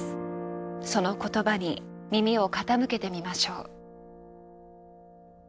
その言葉に耳を傾けてみましょう。